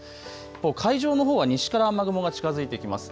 一方、海上のほうは西から雨雲が近づいてきます。